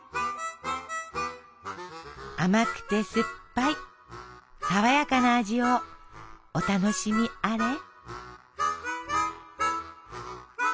甘くて酸っぱいさわやかな味をお楽しみあれ。